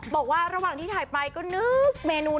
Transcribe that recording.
บอกว่าระหว่างที่ถ่ายไปก็นึกเมนู